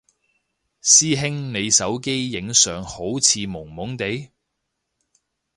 師兄你手機影相好似朦朦哋？